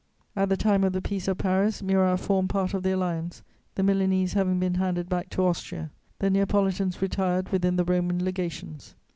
At the time of the Peace of Paris, Murat formed part of the Alliance, the Milanese having been handed back to Austria: the Neapolitans retired within the Roman Legations.